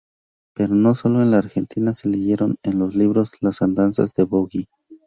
Pero no sólo en la Argentina se leyeron en libros las andanzas de Boogie.